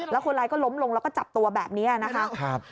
แล้วคนร้ายก็ล้มลงแล้วก็จับตัวแบบนี้นะคะ